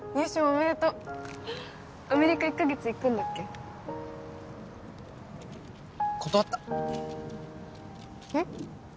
おめでとうアメリカ１カ月行くんだっけ断ったえっ？